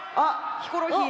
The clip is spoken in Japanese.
「ヒコロヒー！」。